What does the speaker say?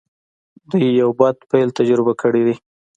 دوی يو بد پيل تجربه کړی دی.